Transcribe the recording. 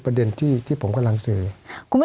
สวัสดีครับทุกคน